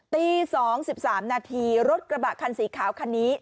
ตี๒๓นาทีรถกระบะคันสีขาวคันนี้